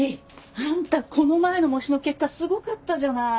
あんたこの前の模試の結果すごかったじゃない！